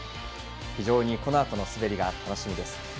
非常にこのあとの滑りが楽しみです。